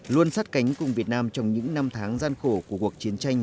luôn sát cánh cùng việt nam trong những năm tháng gian khổ của cuộc chiến tranh